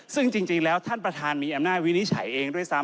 ซึ่งจริงแล้วท่านประธานมีอำนาจวินิจฉัยเองด้วยซ้ำ